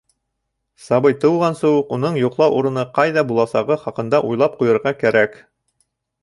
Сабый тыуғансы уҡ уның йоҡлау урыны ҡайҙа буласағы хаҡында уйлап ҡуйырға кәрәк.